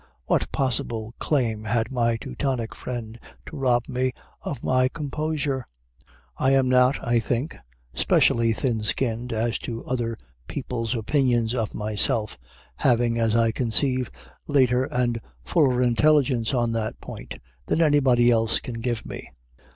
What possible claim had my Teutonic friend to rob me of my composure? I am not, I think, specially thin skinned as to other people's opinions of myself, having, as I conceive, later and fuller intelligence on that point than anybody else can give me.